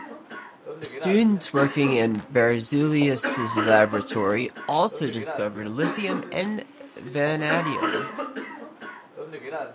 Students working in Berzelius's laboratory also discovered lithium and vanadium.